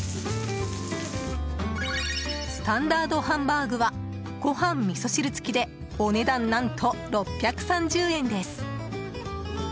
スタンダードハンバーグはご飯、みそ汁付きでお値段、何と６３０円です。